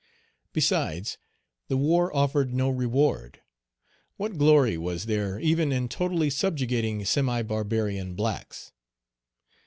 Besides, the war offered no reward. What glory was there even in totally subjugating semi barbarian blacks?